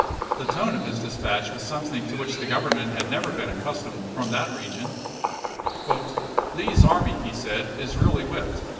The tone of his dispatch was something to which the Government had never been accus tomed from that region. " Lee's army," he said, "is really whipped.